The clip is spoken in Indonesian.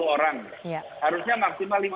sepuluh orang harusnya maksimal